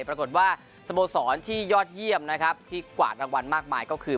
ปรากฏว่าสโมสรที่ยอดเยี่ยมนะครับที่กวาดรางวัลมากมายก็คือ